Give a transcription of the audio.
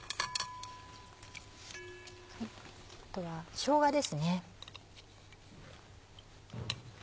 あとはしょうがですね。